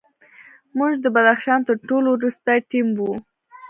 موږ د بدخشان تر ټولو وروستی ټیم وو.